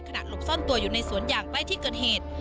หลบซ่อนตัวอยู่ในสวนยางใกล้ที่เกิดเหตุ